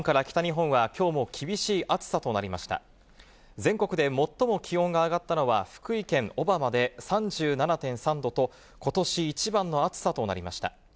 全国で最も気温が上がったのは福井県小浜で３７．３度と、ことし一番の暑さとなりました。